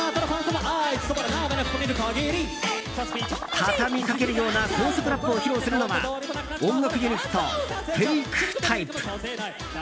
畳みかけるような高速ラップを披露するのは音楽ユニットＦＡＫＥＴＹＰＥ．。